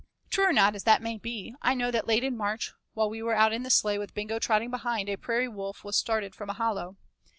True or not as that may be, I know that late in March, while we were out in the sleigh with Bingo trotting behind, a prairie wolf was started from a hollow.